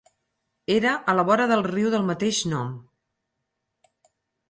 Era a la vora del riu del mateix nom.